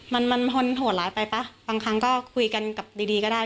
มันมันโหดร้ายไปป่ะบางครั้งก็คุยกันกับดีดีก็ได้